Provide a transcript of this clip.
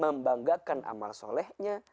membanggakan ibadahnya membanggakan amal solehnya